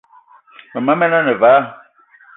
Mema men ane vala,